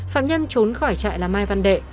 phạm nhân trốn khỏi trại là mai văn đệ